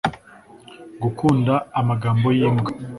gukunda amagambo yimbwa